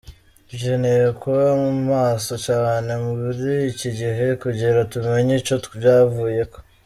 "Dukeneye kuba maso cane muri iki gihe kugira tumenye ico vyavuyeko.